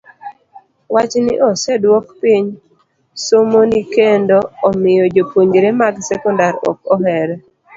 Wachni oseduoko piny somoni kendo omiyo jopuonjre mag sekondar ok ohere.